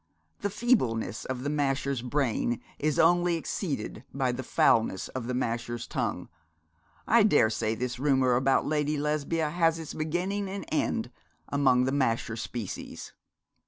The feebleness of the Masher's brain is only exceeded by the foulness of the Masher's tongue. I daresay this rumour about Lady Lesbia has its beginning and end among the Masher species.'